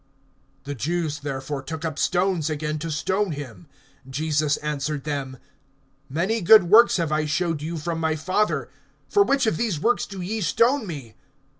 (31)The Jews therefore took up stones again to stone him. (32)Jesus answered them: Many good works have I showed you from my Father; for which of those works do ye stone me?